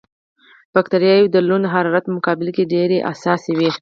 بکټریاوې د لوند حرارت په مقابل کې ډېرې حساسې وي.